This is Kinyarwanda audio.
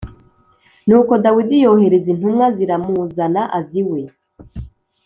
Nuko Dawidi yohereza intumwa ziramuzana aza iwe